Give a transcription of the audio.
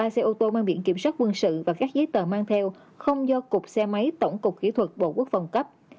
ba xe ô tô mang biện kiểm soát quân sự và các giấy tờ mang theo không do cục xe máy tổng cục khí thuật bộ quốc phòng cấp